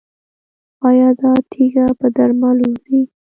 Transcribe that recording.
ایا دا تیږه په درملو وځي؟